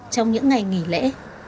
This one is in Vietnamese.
trong những ngày nghỉ lễ